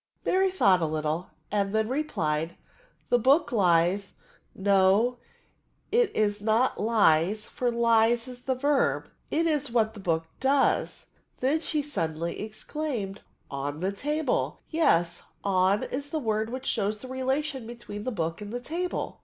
Mary thought a little, and then replied, The book lies — no, it is not lies, for lies is the verb— 'it is what tbe book does : then she suddenly exclaimed, on the table ^yes, on is the word which shows the relation between the book and the table."